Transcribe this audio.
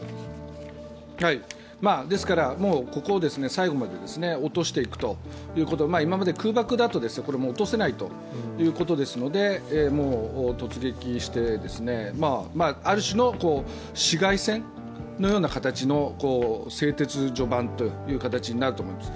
ですから、ここを最後まで落としていくということ、今まで空爆だと落とせないということですので突撃して、ある種の市街戦のような形の製鉄所版という形になると思います。